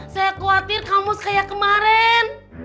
saya khawatir kang mus kayak kemarin